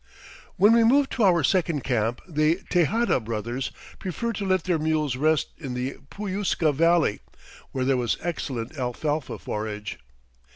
When we moved to our second camp the Tejada brothers preferred to let their mules rest in the Puyusca Valley, where there was excellent alfalfa forage.